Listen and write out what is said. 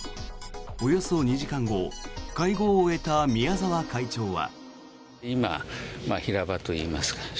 およそ２時間後会合を終えた宮沢会長は。